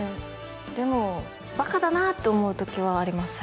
でもバカだなって思う時はあります